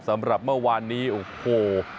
สำหรับเมื่อวานนี้โอ้โห